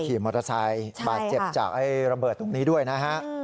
ขี่มอเตอร์ไซค์บาดเจ็บจากระเบิดตรงนี้ด้วยนะฮะ